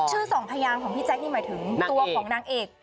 สองพยางของพี่แจ๊คนี่หมายถึงตัวของนางเอก